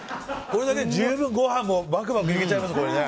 これだけで十分ご飯もバクバクいけちゃいますね。